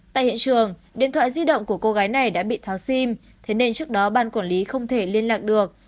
tại hiện trường điện thoại di động của cô gái này đã bị tháo sim thế nên trước đó ban quản lý không thể liên lạc được